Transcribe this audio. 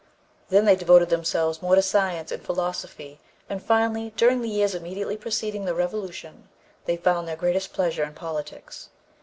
Then they devoted themselves more to science and philosophy, and finally, during the years immediately preceding the Revolution, they found their greatest pleasure in politics.